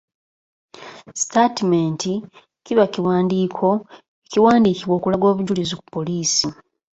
Sitaatimenti kiba kiwandiiko ekiwandiikibwa okulaga obujulizi ku ppoliisi.